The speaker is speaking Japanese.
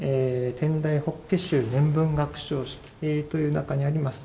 「天台法華宗年分学生式」という中にあります